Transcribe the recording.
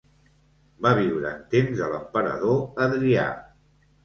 Va viure en temps de l'emperador Adrià.